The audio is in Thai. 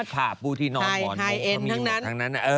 ผ่าปูที่นอนหมอนโมมีหมดทั้งนั้น